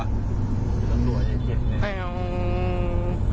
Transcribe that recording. กลัวหลมมึงเชิญกูป่ะ